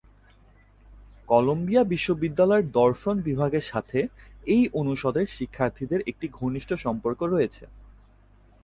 Colombia বিশ্ববিদ্যালয়ের দর্শন বিভাগের সাথে এই অনুষদের শিক্ষার্থীদের একটি ঘনিষ্ঠ সম্পর্ক রয়েছে।